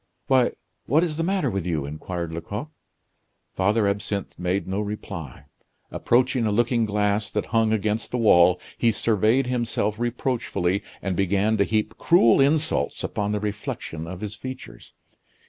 "Why! what is the matter with you?" inquired Lecoq. Father Absinthe made no reply. Approaching a looking glass that hung against the wall, he surveyed himself reproachfully and began to heap cruel insults upon the reflection of his features.